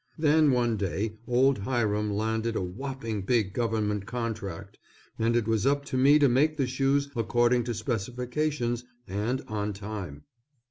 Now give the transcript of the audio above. Then one day old Hiram landed a whopping big government contract, and it was up to me to make the shoes according to specifications and on time.